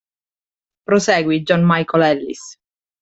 Prosegui, John Micael Ellis.